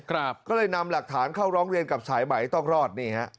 ก็เลยนำหลักฐานเข้าร้องเรียนกับสายไหมต้องรอดนี่ฮะ